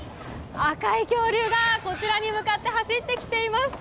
赤い恐竜が、こちらに向かって走ってきています。